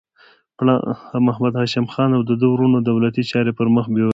محمد هاشم خان او د ده وروڼو دولتي چارې پر مخ بیولې.